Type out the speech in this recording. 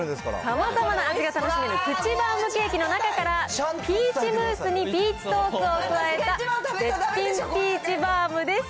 様々な味が楽しめるプチバウムケーキの中から、ピーチムースにピーチソースを加えた、絶品ピーチバウムです。